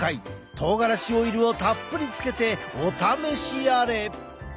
とうがらしオイルをたっぷりつけてお試しあれ！